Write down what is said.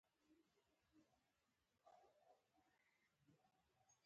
د امریکا جغرافیایي موقعیت د اوبو ترانسپورت پرمختګ سبب شوی.